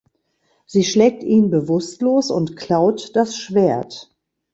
Sie schlägt ihn bewusstlos und klaut das Schwert.